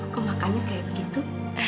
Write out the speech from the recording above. kau makannya kayak begitu